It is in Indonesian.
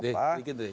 dek sedikit deh